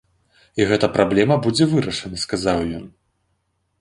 І гэта праблема будзе вырашана, сказаў ён.